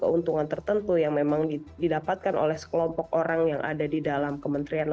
keuntungan tertentu yang memang didapatkan oleh sekelompok orang yang ada di dalam kementerian